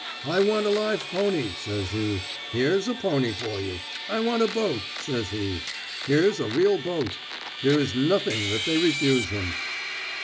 'I want a live pony,' says he here's a pony for you. 'I want a boat,' says he here's a real boat. There is nothing that they refuse him...."